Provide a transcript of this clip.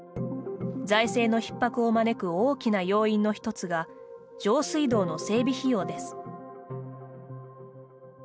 財政のひっ迫を招く大きな要因の一つが上水道の整備費用です。